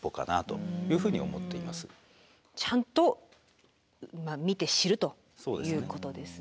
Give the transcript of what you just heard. ちゃんと見て知るということですね。